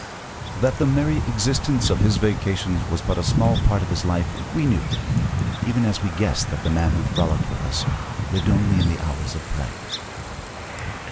That the merry existence of his vacations was but a small part of his life, we knew, even as we guessed that the man who frolicked with us lived only in the hours of play.